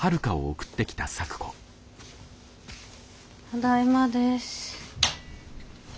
ただいまです。